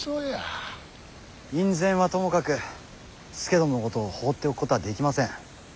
院宣はともかく佐殿のことを放っておくことはできません。